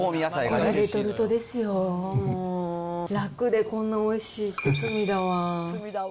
これ、レトルトですよ、もう、楽でこんなおいしいって罪だわぁ。